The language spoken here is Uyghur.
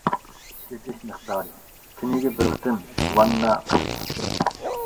ئىشلىتىش مىقدارى : كۈنىگە بىر قېتىم ۋاننا قىلىنىدۇ.